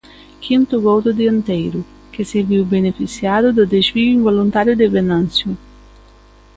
Quinto gol do dianteiro, que se viu beneficiado do desvío involuntario de Venancio.